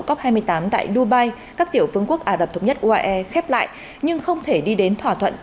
cop hai mươi tám tại dubai các tiểu phương quốc ả rập thống nhất uae khép lại nhưng không thể đi đến thỏa thuận